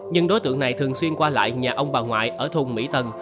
nhưng đối tượng này thường xuyên qua lại nhà ông bà ngoại ở thùng mỹ tân